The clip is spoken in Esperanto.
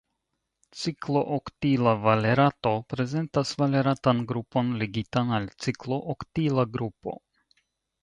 Ciklooktila valerato prezentas valeratan grupon ligitan al ciklooktila grupo.